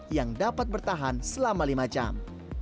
yang dapat bertahan selama lima jam